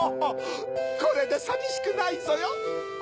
これでさびしくないぞよ！